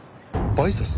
バイサス？